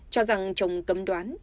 cho rằng chồng cấm đoán